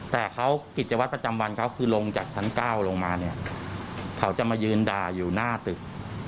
แต่เขากิจวัตรประจำวันเขาคือลงจากชั้น๙ลงมาเนี่ยเขาจะมายืนด่าอยู่หน้าตึก